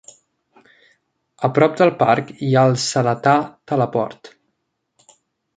A prop del parc hi ha el Seletar Teleport.